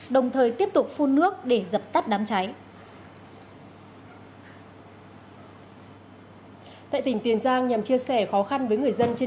đồng thời tiếp tục phun nước để dập tắt đám cháy